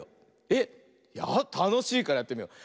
えったのしいからやってみよう。